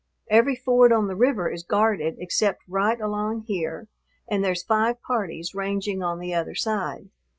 Every ford on the river is guarded except right along here, and there's five parties ranging on the other side.